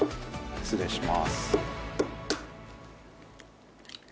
失礼します。